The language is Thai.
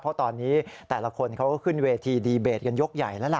เพราะตอนนี้แต่ละคนเขาก็ขึ้นเวทีดีเบตกันยกใหญ่แล้วล่ะ